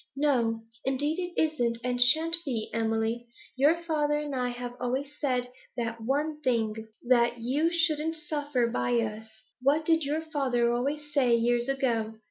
'No, indeed, it isn't, and shan't be, Emily. Your father and I have always said that one thing, that you shouldn't suffer by us. What did your father always say years ago?